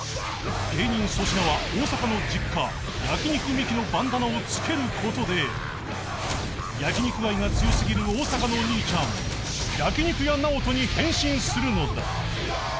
芸人粗品は大阪の実家焼肉味希のバンダナを着ける事で焼肉愛が強すぎる大阪のお兄ちゃん焼肉屋ナオトに変身するのだ